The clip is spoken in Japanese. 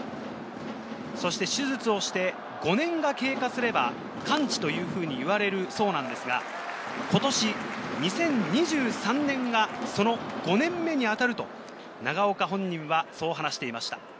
そして手術をして５年が経過すれば完治というふうに言われるそうなんですが、今年、２０２３年がその５年目にあたると長岡本人はそう話していました。